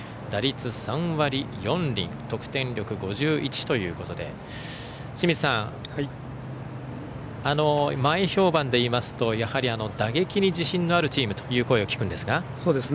打率３割４厘得点力、５１ということで清水さん、前評判でいいますと打撃に自信のあるチームという声を聞くんですが。